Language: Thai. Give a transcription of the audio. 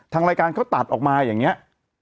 ทางรายการเขาตัดออกมาอย่างนี้